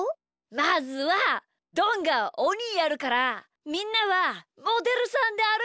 まずはどんがおにやるからみんなはモデルさんであるいてきてよ。